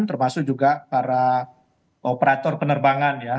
termasuk juga para operator penerbangan ya